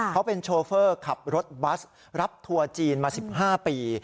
เขาเป็นโชเฟอร์ขับรถบัสรับทัวร์จีนมา๑๕ปี